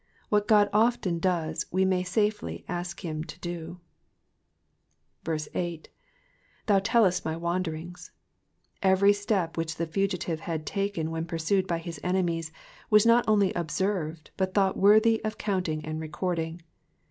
What God often does we may safely ask him to do. Digitized by VjOOQIC PBALM THE FIFTY SIXTH. 39 8. ^^Thou Ullest my wanderings,'*'* Every step which the fugitive had taken whea pursued by his enemies, was not only observed but thought worthy of counting and recording.